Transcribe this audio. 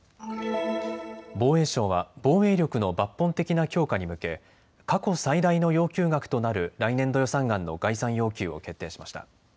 防衛省は防衛力の抜本的な強化に向け過去最大の要求額となる来年度予算案の概算要求を決定しました。